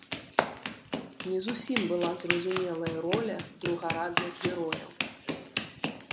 Не зусім была зразумелая роля другарадных герояў.